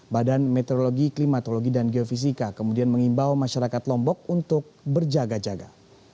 badan meteorologi klimatologi dan geofisika kemudian mengimbau masyarakat lombok untuk berjaga jaga